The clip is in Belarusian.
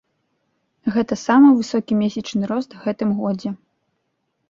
Гэта самы высокі месячны рост гэтым годзе.